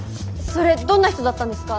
それどんな人だったんですか？